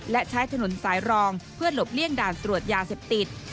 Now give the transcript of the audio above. และใช้ถนนสายรองเพื่อหลบเลี่ยงด่านตรวจยาเสพติด